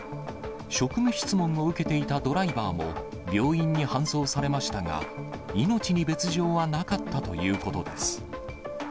職務質問を受けていたドライバーも、病院に搬送されましたが、命に別状はなかったということです。